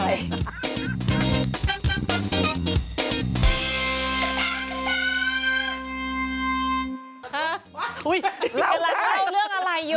กำลังเล่าเรื่องอะไรอยู่